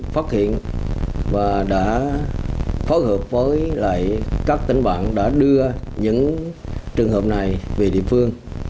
phối hợp với các tỉnh bản đã đưa những trường hợp này về địa phương